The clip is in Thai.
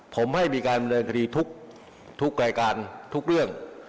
ผมให้มีการดำเนินคดีทุกรายการทุกเรื่อง